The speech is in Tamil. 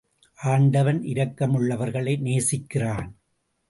ஆண்டவன் இரக்கமுள்ளவர்களை நேசிக்கிறான்.